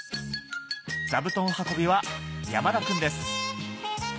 座布団運びは山田君です。